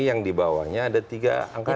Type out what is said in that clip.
yang dibawanya ada tiga angkatan